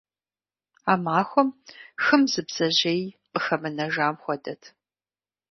А махуэм хым зы бдзэжьеи къыхэмынэжам хуэдэт.